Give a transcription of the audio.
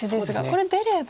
これ出れば。